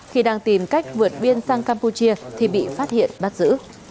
khi đang tìm cách vượt biên sang campuchia thì bị phát hiện bắt giữ